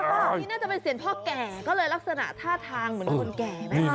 นี่น่าจะเป็นเซียนพ่อแก่ก็เลยลักษณะท่าทางเหมือนคนแก่